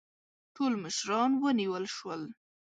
ټول مشران ونیول شول.